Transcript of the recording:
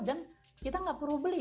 dan kita tidak perlu beli